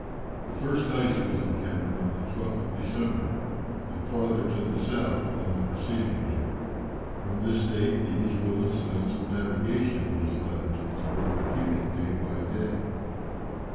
The first ice was encountered on the 12th of December, and farther to the south than in the preceding year. From this date, the usual incidents of navigation in these latitudes were repeated day by day.